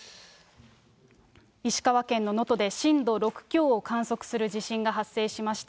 石川県の能登で震度６強を観測する地震が発生しました。